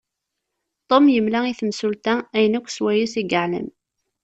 Tom yemla i temsulta ayen akk s wayes i yeεlem.